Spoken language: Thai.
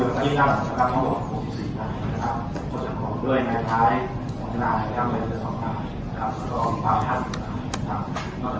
ภารกิจของโมงเร็วภายลิทธิ์รัฐเดิมตั้งแต่ประมาณ๖๐ขวาน